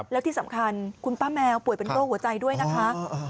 แล้วที่สำคัญคุณป้าแมวป่วยเป็นโรคหัวใจด้วยนะคะ